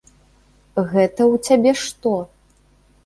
Гэта ў цябе што?